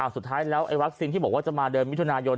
สุดท้ายแล้วไอ้วัคซีนที่บอกว่าจะมาเดือนมิถุนายน